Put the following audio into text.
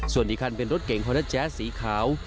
ส่วนอีกคันเป็นรถเก่งฮอนัสแจ๊สสีขาว